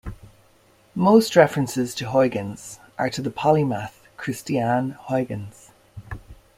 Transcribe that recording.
Most references to "Huygens" are to the polymath Christiaan Huygens.